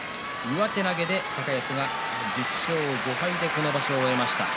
上手投げで高安が１０勝５敗でこの場所を終えました。